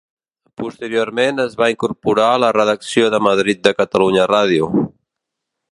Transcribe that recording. Posteriorment es va incorporar a la redacció de Madrid de Catalunya Ràdio.